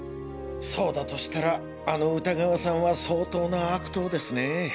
そうだとしたらあの歌川さんは相当な悪党ですねぇ。